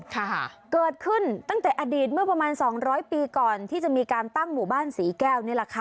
ค่ะเกิดขึ้นตั้งแต่อดีตเมื่อประมาณสองร้อยปีก่อนที่จะมีการตั้งหมู่บ้านศรีแก้วนี่แหละค่ะ